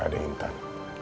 gak ada intan